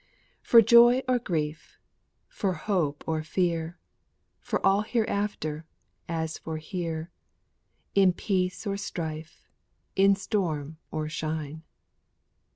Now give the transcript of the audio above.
"For joy or grief, for hope or fear, For all hereafter, as for here, In peace or strife, in storm or shine."